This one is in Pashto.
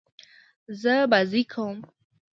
زه بازۍ کوم.